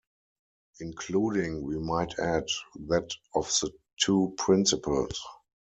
Including, we might add, that of the two principals.